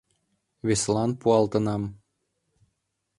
Весылан пуалтынам.